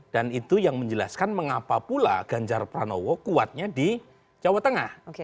dan itu yang menjelaskan mengapa pula ganjar pranowo kuatnya di jawa tengah